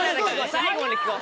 最後まで聞こう！